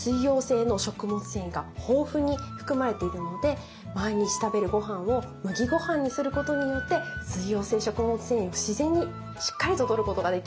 繊維が豊富に含まれているので毎日食べるごはんを麦ごはんにすることによって水溶性食物繊維を自然にしっかりととることができるんです。